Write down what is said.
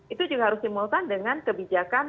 itu juga harus simultan dengan kebijakan